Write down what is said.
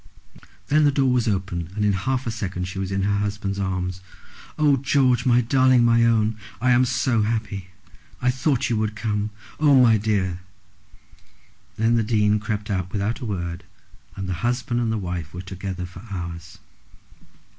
Then the door was opened, and in half a second she was in her husband's arms. "Oh, George, my darling, my own, I am so happy. I thought you would come. Oh, my dear!" Then the Dean crept out without a word, and the husband and the wife were together for hours.